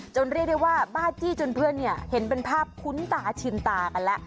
เรียกได้ว่าบ้าจี้จนเพื่อนเนี่ยเห็นเป็นภาพคุ้นตาชินตากันแล้ว